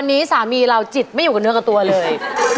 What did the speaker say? อันนี้สามีเราจิตไม่อยู่กับเนื้อกับตัวเลย